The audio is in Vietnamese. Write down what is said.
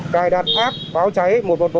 cài đặt áp pháo cháy một trăm một mươi bốn